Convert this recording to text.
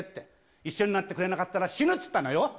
一緒になってくれなかったら、死ぬって言ったのよ。